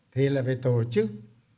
thì là phải tổ chức